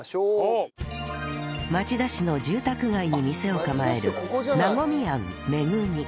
町田市の住宅街に店を構えるなごみ庵恵